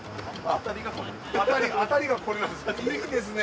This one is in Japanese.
当たりがこれなんですね。